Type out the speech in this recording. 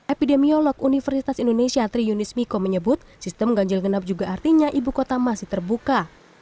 epidemiolog universitas indonesia tri yunis miko menyebut sistem ganjil genap juga artinya ibu kota masih terbuka